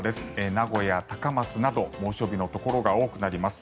名古屋、高松など猛暑日のところが多くなります。